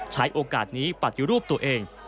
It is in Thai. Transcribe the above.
ใช้โอกาสนี้ปัดอยู่รูปตัวเอง